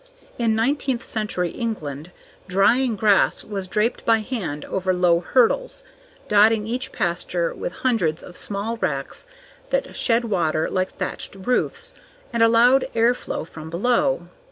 In nineteenth century England, drying grass was draped by hand over low hurdles, dotting each pasture with hundreds of small racks that shed water like thatched roofs and allowed air flow from below.